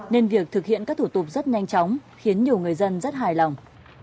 nên việc thực hiện các thủ tục rất nhanh chóng khiến nhiều người dân rất hài lòng